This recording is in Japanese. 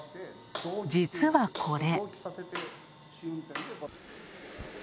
実はこれ。